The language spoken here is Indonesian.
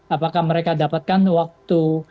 apakah mereka dapatkan waktu